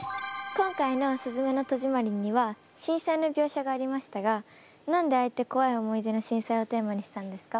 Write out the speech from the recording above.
今回の「すずめの戸締まり」には震災の描写がありましたが何であえて怖い思い出の震災をテーマにしたんですか？